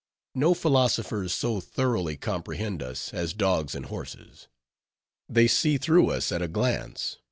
No philosophers so thoroughly comprehend us as dogs and horses. They see through us at a glance.